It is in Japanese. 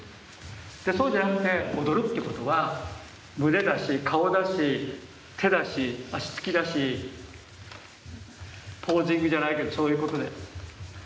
そうじゃなくて踊るってことは胸だし顔だし手だし足つきだしポージングじゃないけどそういうことで。